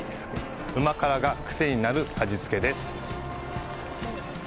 うま辛が癖になる味付けです。